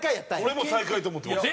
俺も最下位と思ってました。